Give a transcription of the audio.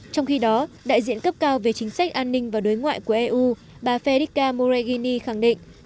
trong khi đó đại diện cấp cao về chính sách an ninh và đối ngoại của eu bà fedrica moregini khẳng định